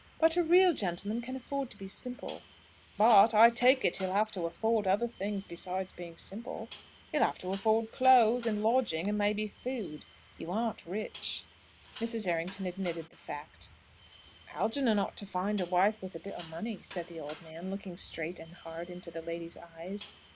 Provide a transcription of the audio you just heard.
But a real gentleman can afford to be simple." "But I take it he'll have to afford other things besides being simple! He'll have to afford clothes, and lodging, and maybe food. You aren't rich." Mrs. Errington admitted the fact. "Algernon ought to find a wife with a bit o' money," said the old man, looking straight and hard into the lady's eyes.